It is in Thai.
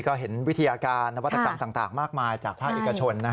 ก็เห็นวิทยาการนวัตกรรมต่างมากมายจากภาคเอกชน